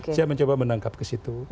saya mencoba menangkap ke situ